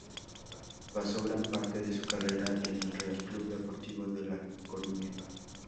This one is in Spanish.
Pasó gran parte de su carrera en el Real Club Deportivo de la Coruña.